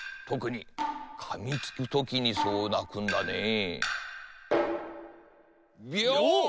とくにかみつくときにそうなくんだね。